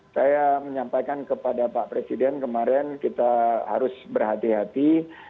saya menyampaikan kepada pak presiden kemarin kita harus berhati hati